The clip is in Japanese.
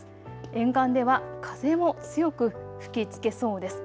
沿岸では風も強く吹きつけそうです。